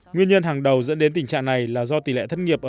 nguyên nhân hàng đầu dẫn đến tình trạng này là do tỷ lệ thất nghiệp